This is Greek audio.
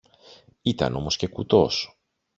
Ήταν όμως και κουτός!